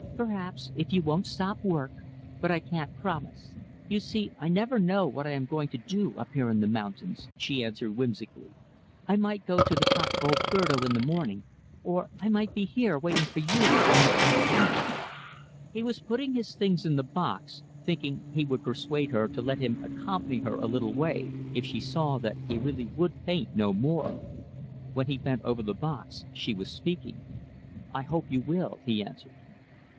"Perhaps if you won't stop work but I can't promise you see I never know what I am going to do up here in the mountains," she answered whimsically. "I might go to the top of old 'Berdo' in the morning; or I might be here, waiting for you, when you come to paint." He was putting his things in the box thinking he would persuade her to let him accompany her a little way; if she saw that he really would paint no more. When he bent over the box, she was speaking. "I hope you will," he answered.